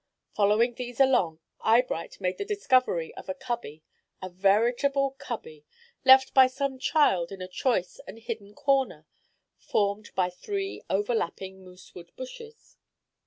Following these along, Eyebright made the discovery of a cubby, a veritable cubby, left by some child in a choice and hidden corner formed by three overlapping moosewood bushes.